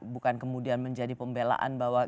bukan kemudian menjadi pembelaan bahwa